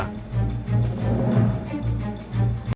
berita terkini mengenai cuaca ekstrem dua ribu dua puluh satu